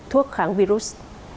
thuốc kháng virus